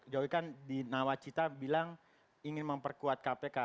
jokowi kan di nawacita bilang ingin memperkuat kpk